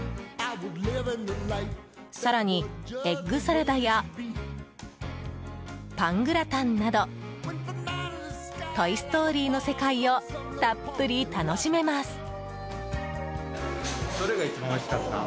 更にエッグサラダやパングラタンなど「トイ・ストーリー」の世界をたっぷり楽しめます。